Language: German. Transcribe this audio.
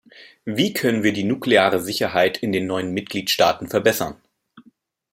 Wie können wir die nukleare Sicherheit in den neuen Mitgliedstaaten verbessern?